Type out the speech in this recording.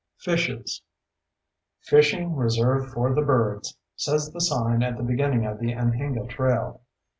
Fishes "Fishing Reserved for the Birds," says the sign at the beginning of the Anhinga Trail.